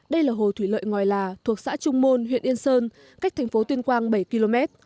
đây là hồ thủy lợi ngòi là thuộc xã trung môn huyện yên sơn cách thành phố tuyên quang bảy km